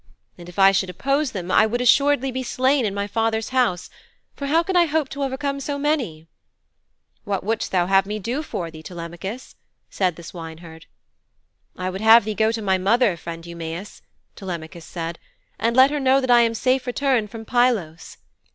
And if I should oppose them I would assuredly be slain in my father's house, for how could I hope to overcome so many?' 'What wouldst thou have me do for thee, Telemachus?' said the swineherd. 'I would have thee go to my mother, friend Eumæus,' Telemachus said, 'and let her know that I am safe returned from Pylos.'